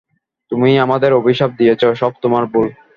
তুমি আমাদের অভিশাপ দিয়েছ, সব তোমার ভুল।